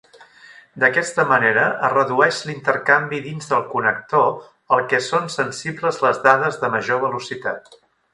D'aquesta manera es redueix l'intercanvi dins del connector al què són sensibles les dades de major velocitat.